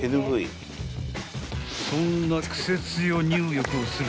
［そんなクセ強入浴をする］